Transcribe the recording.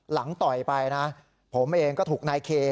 ต่อยไปนะผมเองก็ถูกนายเค